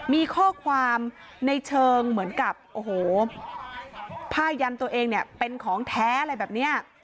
มีข้อความในเชิงเหมือนกับโอ้โหผ้ายันตัวเองเนี่ยเป็นของแท้อะไรแบบนี้